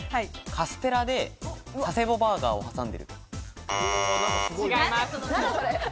カステラで佐世保バーガーを挟んでる。